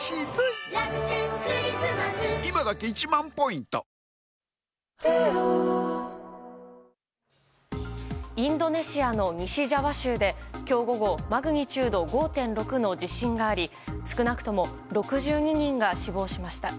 ＪＴインドネシアの西ジャワ州で今日午後マグニチュード５．６の地震があり少なくとも６２人が死亡しました。